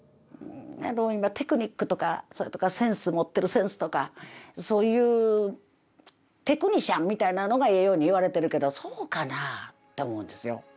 テクニックとかセンス持ってるセンスとかそういうテクニシャンみたいなのがええようにいわれてるけどそうかなあと思うんですよ。